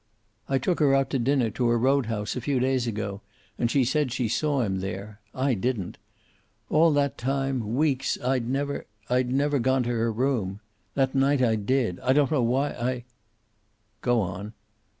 I took her out to dinner, to a roadhouse, a few days ago, and she said she saw him there. I didn't. All that time, weeks, I'd never I'd never gone to her room. That night I did. I don't know why. I " "Go on."